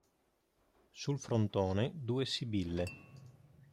Sul frontone due sibille.